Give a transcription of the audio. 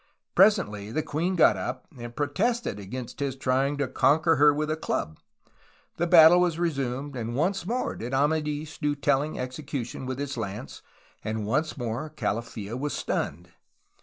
Presently the queen got up and pro tested against his trying to conquer her "with a club.'' The battle was resumed, and once more did Amadis do telling execution with his lance and once more Calaffa was stunned.